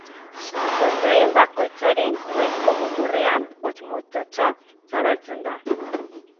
Zurtoin bakoitzaren goiko muturrean hosto-mototsa zabaltzen da.